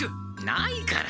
ないから！